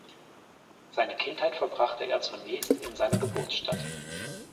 Seine Kindheit verbrachte er zunächst in seiner Geburtsstadt.